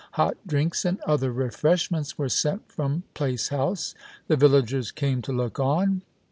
Hot drinks and other refreshments were sent from Place House. The villagers came to look on.